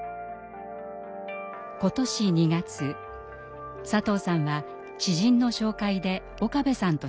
今年２月佐藤さんは知人の紹介で岡部さんと知り合いました。